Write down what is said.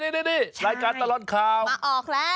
นี่รายการตลอดข่าวมาออกแล้ว